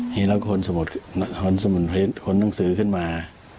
เห็นแล้วคนสมุนขนหนังสือขึ้นมา